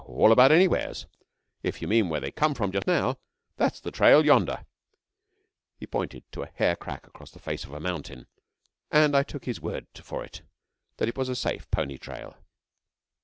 'Oh, all about anywheres. If you mean where they come from just now that's the trail yonder.' He pointed to a hair crack across the face of a mountain, and I took his word for it that it was a safe pony trail.